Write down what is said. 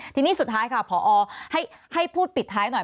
ทีนี้สุดท้ายค่ะพอให้พูดปิดท้ายหน่อย